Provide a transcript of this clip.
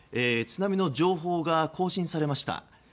津波の情報が更新されました。